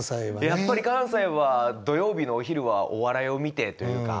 やっぱり関西は土曜日のお昼はお笑いを見てというか。